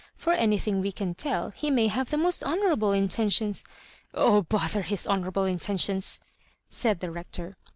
For aayttting we can teU, he may have the most honourable intentions ^"" Oh, bother his honourable intentions I " said the Bector.